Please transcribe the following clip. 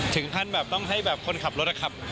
ถึงท่านต้องให้คนขับรถขับ